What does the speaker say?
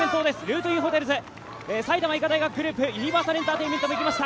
ルートインホテルズ、埼玉医科大学グループ、ユニバーサルエンターテインメントも行きました、